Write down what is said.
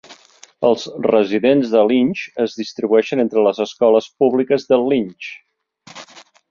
Els residents de Lynche es distribueixen entre les escoles públiques de Lynch.